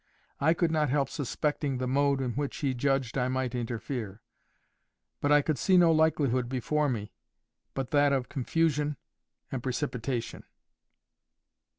I could not help suspecting the mode in which he judged I might interfere. But I could see no likelihood before me but that of confusion and precipitation.